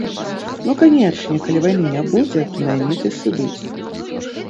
Ну канечне, калі вайны не будзе, то найміты сыдуць.